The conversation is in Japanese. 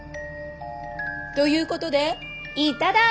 「ということでいっただっきます」。